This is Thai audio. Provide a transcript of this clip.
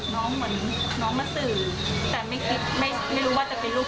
น้องเหมือนน้องมาสื่อแต่ไม่รู้ว่าจะเป็นลูกชายตัวเองหรือเปล่า